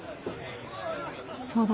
そうだ。